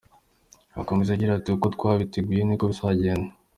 akomeza agira ati uko twabiteguye niko bizagenda”.